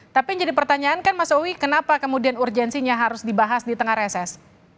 tapi yang jadi pertanyaan kan mas owi kenapa kemudian urgensinya harus dibahas di tengah reses